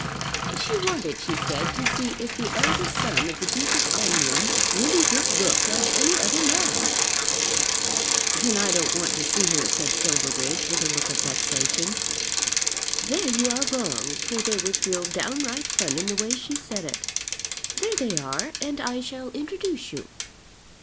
"She wanted, she said, to see if the eldest son of the Duke of Omnium really did look like any other man." "Then I don't want to see her," said Silverbridge, with a look of vexation. "There you are wrong, for there was real downright fun in the way she said it. There they are, and I shall introduce you."